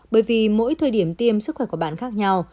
bởi vì mỗi thời điểm tiêm sức khỏe của bạn khác nhau